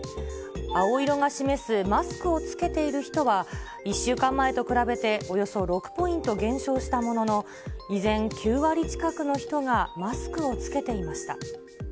青色が示すマスクを着けている人は、１週間前と比べておよそ６ポイント減少したものの、依然、９割近くの人がマスクを着けていました。